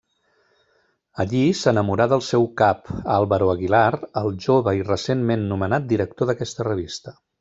Allí s'enamorarà del seu cap, Álvaro Aguilar, el jove i recentment nomenat director d'aquesta revista.